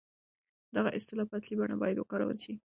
دغه اصطلاح په اصلي بڼه بايد وکارول شي.